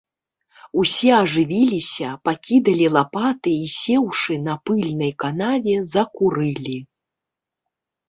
Усе ажывіліся, пакідалі лапаты і, сеўшы на пыльнай канаве, закурылі.